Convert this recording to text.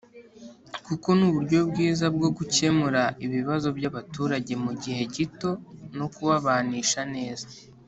kuko ni uburyo bwiza bwo gukemura ibibazo by’abaturage mu gihe gito no kubabanisha neza”